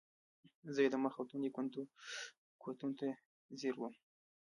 زۀ ئې د مخ او تندي کوتونو ته زیر ووم ـ